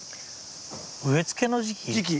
植え付けの時期？